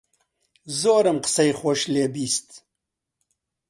زۆرم قسەی خۆش لێ بیست